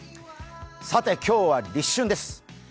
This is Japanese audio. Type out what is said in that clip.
さて、今日は立春です。